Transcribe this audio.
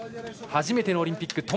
初めてのオリンピック。